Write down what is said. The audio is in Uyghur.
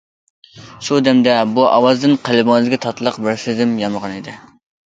شۇ دەمدە بۇ ئاۋازدىن قەلبىڭىزگە تاتلىق بىر سېزىم يامرىغانىدى.